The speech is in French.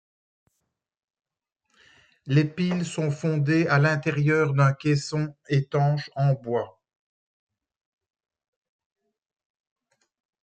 Les piles sont fondées à l'intérieur d'un caisson étanche en bois.